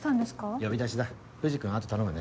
呼び出しだ藤君後頼むね。